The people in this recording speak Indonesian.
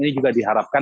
ini juga diharapkan